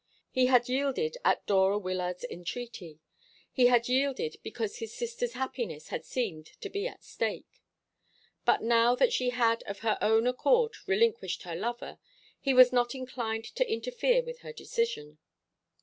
He had yielded at Dora Wyllard's entreaty; he had yielded because his sister's happiness had seemed to be at stake. But now that she had of her own accord relinquished her lover, he was not inclined to interfere with her decision.